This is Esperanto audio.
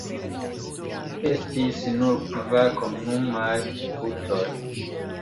Estis nur kvar komunumaj putoj.